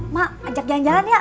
mak ajak jalan jalan ya